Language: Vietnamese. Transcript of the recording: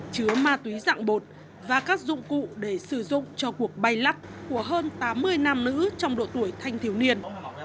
chứa ma túy dạng bột và các dụng cụ để sử dụng cho cuộc bay lắc của hơn tám mươi nam nữ trong độ tuổi thanh thiếu niên